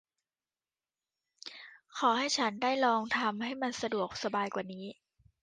ขอให้ฉันได้ลองทำให้มันสะดวกสบายกว่านี้